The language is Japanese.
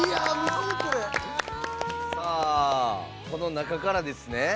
この中からですね。